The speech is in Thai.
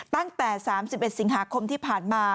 ตั้งแต่สามสิบเอ็ดสิงหาคมที่ผ่านมา